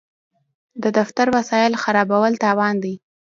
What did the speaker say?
د دفتر وسایل خرابول تاوان دی.